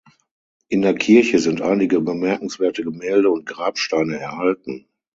In der Kirche sind einige bemerkenswerte Gemälde und Grabsteine erhalten.